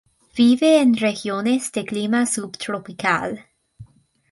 Vive en regiones de clima subtropical.